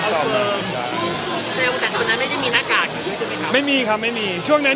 ก็เหมือนประมาณว่า